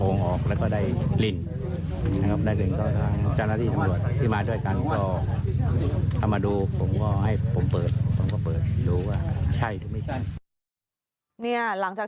เนี่ยหลังจากที่นี่นะครับ